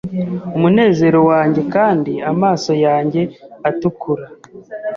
umunezero wanjye kandi amaso yanjye atukura